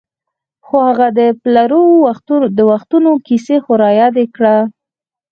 خو هغه د پلرو د وختونو کیسې خو رایادې کړه.